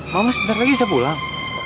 mama sebentar lagi saya pulang